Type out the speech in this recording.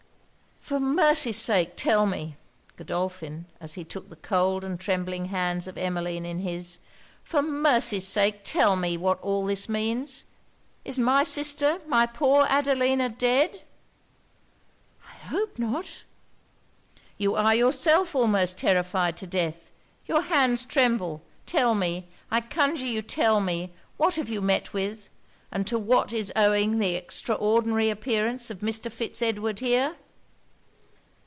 'For mercy's sake tell me,' Godolphin, as he took the cold and trembling hands of Emmeline in his 'for mercy's sake tell me what all this means? Is my sister, my poor Adelina dead?' 'I hope not!' 'You are yourself almost terrified to death. Your hands tremble. Tell me, I conjure you tell me, what you have met with, and to what is owing the extraordinary appearance of Mr. Fitz Edward here?'